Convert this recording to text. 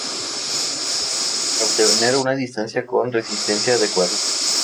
Para obtener una distancia con resistencia adecuada.